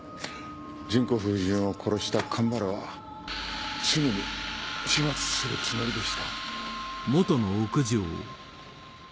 純子夫人を殺した神原はすぐに始末するつもりでした。